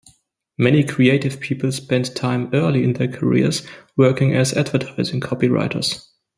Many creative people spend time early in their careers working as advertising copywriters.